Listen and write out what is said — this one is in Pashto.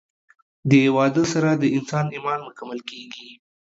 د واده سره د انسان ايمان مکمل کيږي